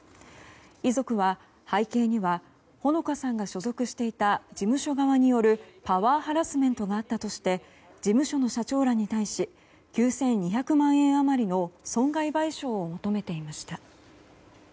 遺族は背景には萌景さんが所属していた事務所側によるパワーハラスメントがあったとして事務所の社長らに対し９２００万円余りの損害賠償を求めていました。